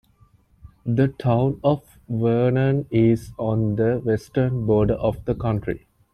The Town of Vernon is on the western border of the county.